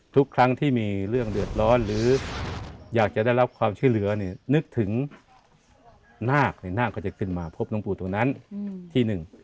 ทุกครั้งที่มีเรื่องเดือดร้อนหรืออยากจะได้รับความช่วยเหลือเนี่ยนึกถึงนาคในนาคก็จะขึ้นมาพบหลวงปู่ตรงนั้นที่หนึ่ง